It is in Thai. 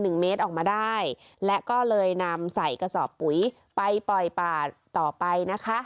หนึ่งเมตรออกมาได้และก็เลยนำใส่กระสอบปุ๋ยไปปล่อยป่าต่อไปนะคะ